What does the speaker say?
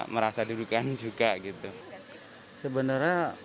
merasa dudukan juga gitu sebenarnya